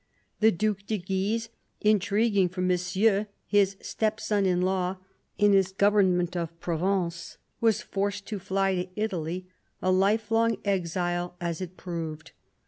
The Due de Guise, intriguing for Monsieur, his stepson in law, in his government of Provence, was forced to fly to Italy, a lifelong exile as it proved.